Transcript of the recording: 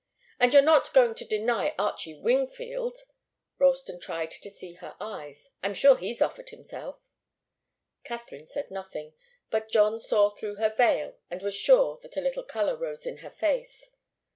"And you're not going to deny Archie Wingfield?" Ralston tried to see her eyes. "I'm sure he's offered himself." Katharine said nothing, but John saw through her veil and was sure that a little colour rose in her face.